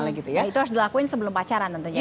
nah itu harus dilakuin sebelum pacaran tentunya kan